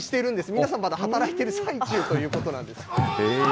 皆さん、まだ働いてる最中ということなんです。